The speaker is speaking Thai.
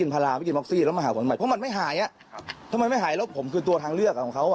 เพราะมันไม่หายทำไมไม่หายแล้วผมคือตัวทางเลือกของเขาอ่ะ